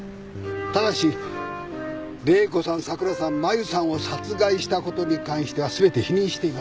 ただし玲子さん桜さんマユさんを殺害したことに関しては全て否認しています。